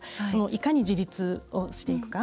いかに自立をしていくか。